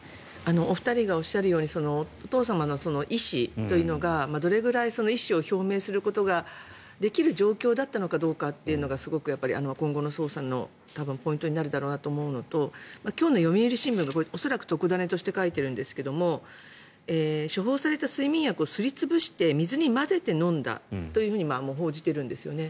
お二人がおっしゃるようにお父様の意思というのがどれぐらい意思を表明することができる状況だったのかどうかというのがすごく今後の捜査のポイントになるだろうなと思うのと今日の読売新聞の恐らく特ダネとして書いてるんだと思うんですけど処方された睡眠薬をすり潰して水に混ぜて飲んだというふうに報じているんですよね。